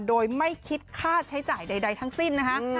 โดยไม่คิดค่าใช้จ่ายใดทั้งสิ้นนะคะ